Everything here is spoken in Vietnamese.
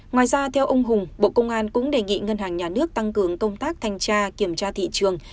ngoài ra theo ông hùng bộ công an cũng đề nghị ngân hàng nhà nước tăng cường công tác thanh tra kiểm tra thị trường